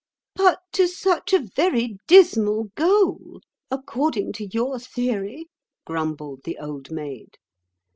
"But to such a very dismal goal, according to your theory," grumbled the Old Maid.